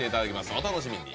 お楽しみに！